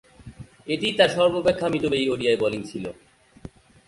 এটিই তার সর্বাপেক্ষা মিতব্যয়ী ওডিআই বোলিং ছিল।